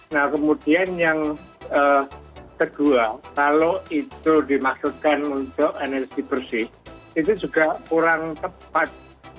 nah kemudian yang kedua kalau itu dimaksudkan untuk energi bersih itu juga kurang tepat